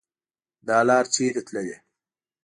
دا لار چیري تللي